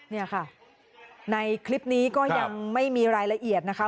นี่ค่ะในคลิปนี้ก็ยังไม่มีรายละเอียดนะคะ